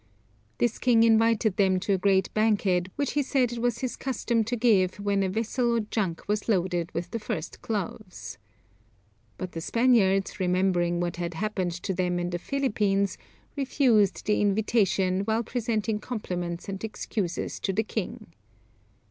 This king invited them to a great banquet which he said it was his custom to give when a vessel or junk was loaded with the first cloves. But the Spaniards, remembering what had happened to them in the Philippines, refused the invitation while presenting compliments and excuses to the king.